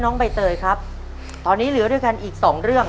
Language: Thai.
ใบเตยครับตอนนี้เหลือด้วยกันอีกสองเรื่อง